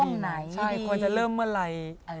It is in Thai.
ไหนใช่ควรจะเริ่มเมื่อไหร่